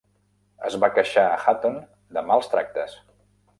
Es va queixar a Hatton de mals tractes.